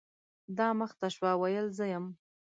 دا مخ ته شوه ، ویل زه یم .